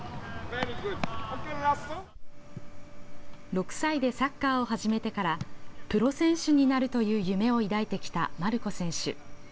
６歳でサッカーを始めてから、プロ選手になるという夢を抱いてきたマルコ選手。